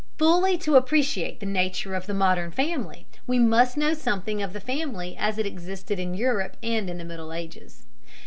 Fully to appreciate the nature of the modern family we must know something of the family as it existed in Europe in the Middle Ages.